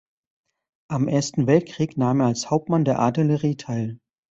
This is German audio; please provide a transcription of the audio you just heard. Am Ersten Weltkrieg nahm er als Hauptmann der Artillerie teil.